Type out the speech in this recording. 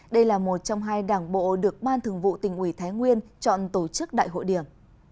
đây là một trong hai đảng bộ được ban thường vụ tỉnh ủy thái nguyên chọn tổ chức đại hội điểm